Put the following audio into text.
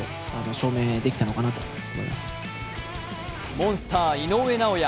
モンスター・井上尚弥